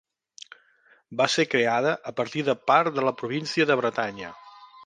Va ser creada a partir de part de la província de Bretanya.